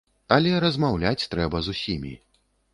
Але размаўляць трэба з усімі.